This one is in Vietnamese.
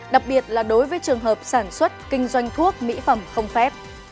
đặc biệt là đối với trường hợp sản xuất kinh doanh thuốc mỹ phẩm không phép